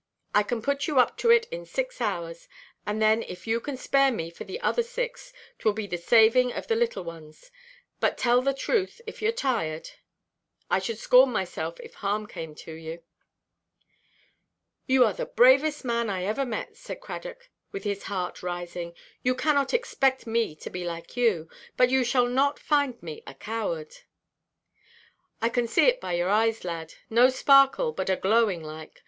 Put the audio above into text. I can put you up to it in six hours; and then if you can spare me for the other six, 'twill be the saving of the little ones. But tell the truth if youʼre tired. I should scorn myself if harm came to you." "You are the bravest man I ever met," said Cradock, with his heart rising; "you cannot expect me to be like you. But you shall not find me a coward." "I can see it by your eyes, lad. No sparkle, but a glowing like.